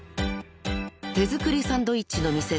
［手作りサンドイッチの店